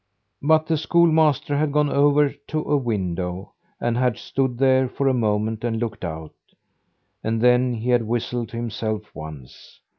But the schoolmaster had gone over to a window, and had stood there for a moment and looked out, and then he had whistled to himself once.